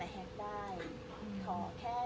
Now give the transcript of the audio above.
เราก็บอกว่าแทกยากแต่แทกได้